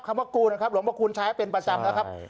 คำว่ากูนะครับหลวงพระคูณใช้เป็นประจำนะครับ